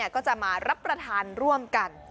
ก็จะมารับประทานร่วมกัน